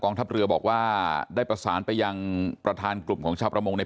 ทัพเรือบอกว่าได้ประสานไปยังประธานกลุ่มของชาวประมงใน